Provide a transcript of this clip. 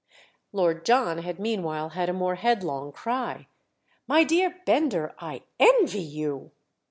Lord John had meanwhile had a more headlong cry. "My dear Bender, I envy you!"